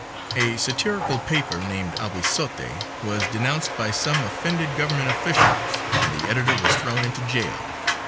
A satirical paper named Ahuizote was denounced by some offended government officials and the editor was thrown into jail.